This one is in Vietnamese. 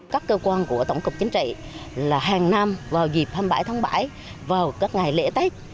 các cơ quan của tổng cục chính trị là hàng năm vào dịp hai mươi bảy tháng bảy vào các ngày lễ tết